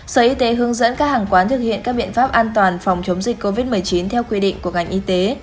sở y tế hướng dẫn các hàng quán thực hiện các biện pháp an toàn phòng chống dịch covid một mươi chín theo quy định của ngành y tế